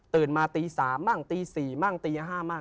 ตื่นมาตี๓บ้างตี๔บ้างตี๕บ้าง